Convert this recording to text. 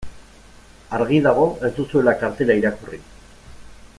Argi dago ez duzuela kartela irakurri.